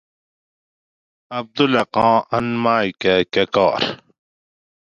عبدالحقاں ان ماۤئے کہ کاراۤ